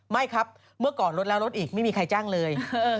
ไม่ครับเมื่อก่อนลดแล้วลดอีกไม่มีใครจ้างเลย